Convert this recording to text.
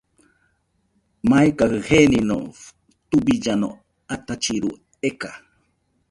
Maikajɨ genino tubillano atachiru eka.